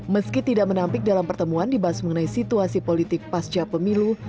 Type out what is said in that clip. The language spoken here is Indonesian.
meski tidak menampik dalam pertemuan dibahas mengenai situasi politik pasca pemilu